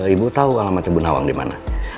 ibu tahu alamatnya bu nawang di mana